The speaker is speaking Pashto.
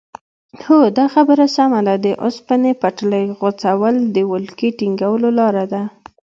هو دا خبره سمه ده د اوسپنې پټلۍ غځول د ولکې ټینګولو لاره وه.